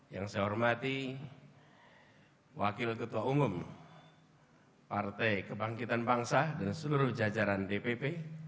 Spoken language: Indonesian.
yang saya hormati wakil ketua umum partai kebangkitan bangsa dan seluruh jajaran dpp